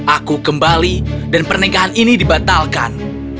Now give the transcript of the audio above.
aku kembali dan pernikahan ini dibatalkan